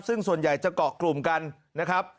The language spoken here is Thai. ซึ่งส่วนใหญ่จะเกาะกลุ่มกันนะครับ